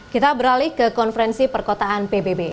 kita beralih ke konferensi perkotaan pbb